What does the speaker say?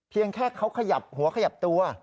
แค่เขาขยับหัวขยับตัว